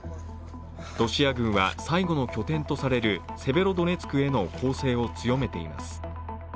ロシア軍は、最後の拠点とされるセベロドネツクへの攻勢を強めています。